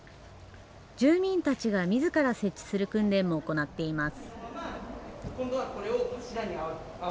住民たちがみずから設置する訓練も行っています。